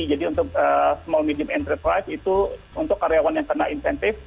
jadi untuk small medium and triplife itu untuk karyawan yang kena insentif